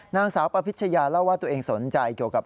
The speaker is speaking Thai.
นางสาวปพิชยาเล่าว่าตัวเองสนใจเกี่ยวกับ